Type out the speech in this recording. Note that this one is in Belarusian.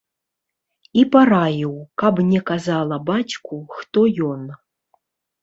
І параіў, каб не казала бацьку, хто ён.